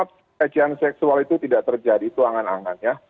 pelecehan seksual itu tidak terjadi itu angan angan ya